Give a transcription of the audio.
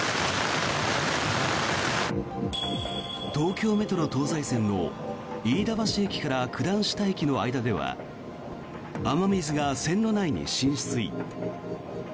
東京メトロ東西線の飯田橋駅から九段下駅の間では雨水が線路内に浸水。